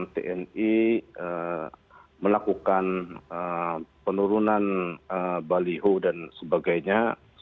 tni melakukan penurunan baliho dan sebagainya